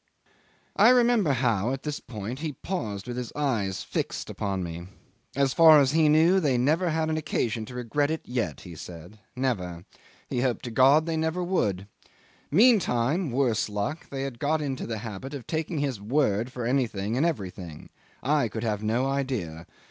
... 'I remember how, at this point, he paused with his eyes fixed upon me. "As far as he knew, they never had an occasion to regret it yet," he said. "Never. He hoped to God they never would. Meantime worse luck! they had got into the habit of taking his word for anything and everything. I could have no idea!